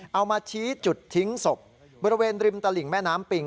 เอามาชี้จุดทิ้งศพบริเวณริมตลิ่งแม่น้ำปิง